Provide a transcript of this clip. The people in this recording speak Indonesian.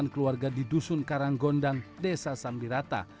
dua ratus empat puluh delapan keluarga di dusun karanggondang desa sambirata